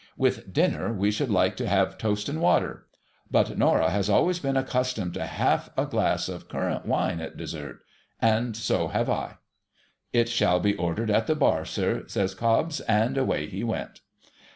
With dinner we should like to have toast and water. I>ut Norah has always been accustomed to half a glass of currant wine at dessert. And so have L' ' It shall be ordered at the bar, sir,' says Cobbs ; and away he went.